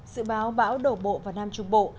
sự báo bão đổ bộ